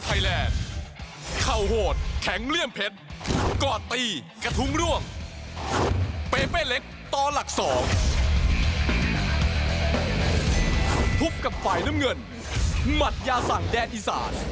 ติ๊ต้าวิทยา